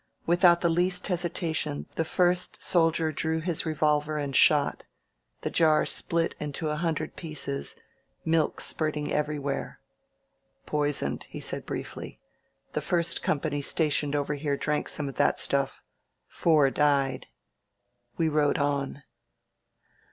Without the lejwt hesitation the first soldier drew his revolver and shot. The jar split into a hundred pieces —milk spurting everywhere. "Poisoned, he said briefly. The first company sta tioned over here drank some of that stuff. Four died." We rode on.